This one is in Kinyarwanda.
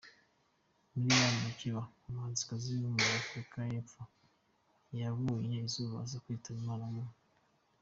Miriam Makeba, umuhanzikazi w’umunyafurika y’epfo yabonye izuba aza kwitaba Imana mu .